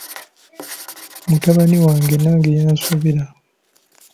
Mutabani wange nange yansobera.